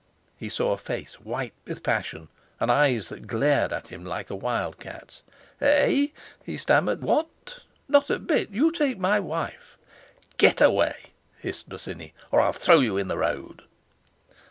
He saw a face white with passion, and eyes that glared at him like a wild cat's. "Eh?" he stammered. "What? Not a bit. You take my wife!" "Get away!" hissed Bosinney—"or I'll throw you into the road!"